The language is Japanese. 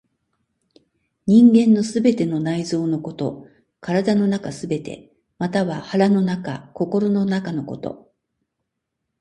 人間の全ての内臓のこと、体の中すべて、または腹の中、心の中のこと。